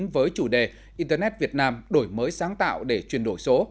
với chủ đề internet việt nam đổi mới sáng tạo để chuyển đổi số